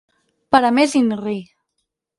Per a més «inri».